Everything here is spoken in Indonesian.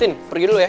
fin pergi dulu ya